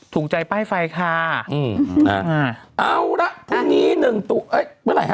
ถูกใจป้ายไฟค่ะเอาละพรุ่งนี้๑ตุลาคม